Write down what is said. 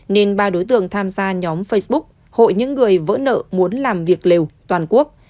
nên ba đối tượng tham gia nhóm facebook hội những người vỡ nợ muốn làm việc lều toàn quốc